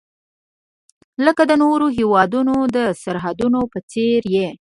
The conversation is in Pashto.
لکه د نورو هیوادونو د سرحدونو په څیر یې.